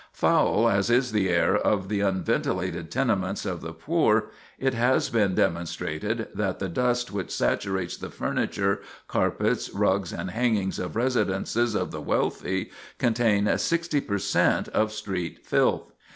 Foul as is the air of the unventilated tenements of the poor, it has been demonstrated that the dust which saturates the furniture, carpets, rugs, and hangings of residences of the wealthy contains sixty per cent of street filth.